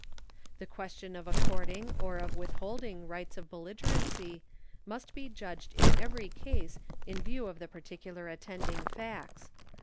The question of according or of withholding rights of belligerency must be judged in every case in view of the particular attending facts.